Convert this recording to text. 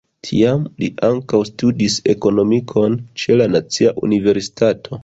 Tiam li ankaŭ studis Ekonomikon ĉe la Nacia Universitato.